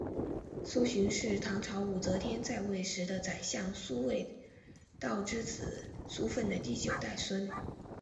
苏洵是唐朝武则天在位时的宰相苏味道之子苏份的第九代孙。